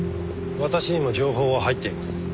私にも情報は入っています。